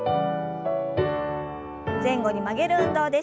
前後に曲げる運動です。